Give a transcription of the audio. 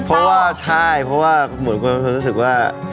เพราะว่าใช่เพราะว่าเหมือนคนรู้สึกว่า